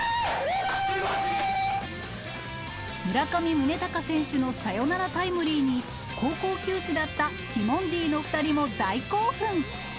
すごい！村上宗隆選手のサヨナラタイムリーに、高校球児だったティモンディの２人も大興奮。